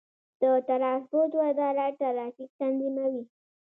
د ترانسپورت وزارت ټرافیک تنظیموي